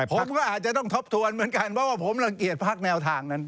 ผมก็อาจจะต้องทบทวนเหมือนกันเพราะว่าผมรังเกียจพักแนวทางนั้น